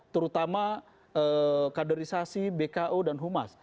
terutama kaderisasi bko dan humas